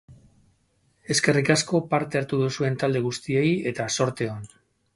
Eskerrik asko parte hartu duzuen talde guztiei eta zorte on!